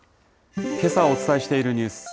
けさお伝えしているニュース。